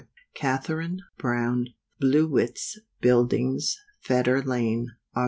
CATHARINE BROWNE. Blewit's buildings, Fetter lane, Aug.